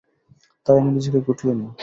তাই, আমি নিজেকে গুটিয়ে নেই।